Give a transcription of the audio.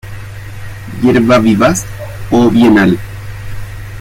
Hierba vivaz o bienal.